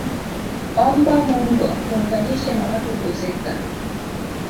Omba Mungu akuunganishe na watu husika